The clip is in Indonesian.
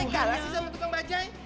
masa eka lasis sama tukang bajaj